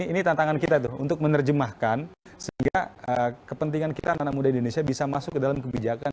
ini tantangan kita tuh untuk menerjemahkan sehingga kepentingan kita anak anak muda indonesia bisa masuk ke dalam kebijakan